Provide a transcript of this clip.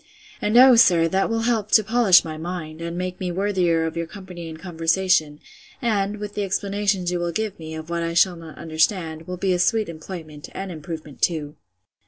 And, O sir! that will help to polish my mind, and make me worthier of your company and conversation; and, with the explanations you will give me, of what I shall not understand, will be a sweet employment, and improvement too.